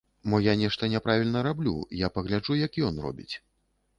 Мо я нешта няправільна раблю, я пагляджу як ён робіць.